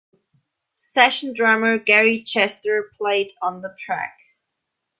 Session drummer Gary Chester played on the track.